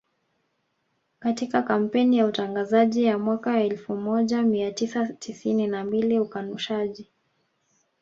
Katika kampeni ya utangazaji ya mwaka elfu moja mia tisa tisini na mbili ukanushaji